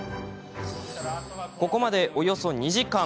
ここまで、およそ２時間。